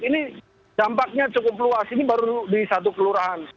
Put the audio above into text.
ini dampaknya cukup luas ini baru di satu kelurahan